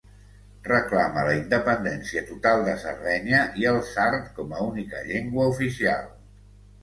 Reclama la independència total de Sardenya i el sard com a única llengua oficial.